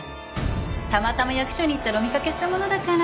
たまたま役所に行ったらお見かけしたものだから。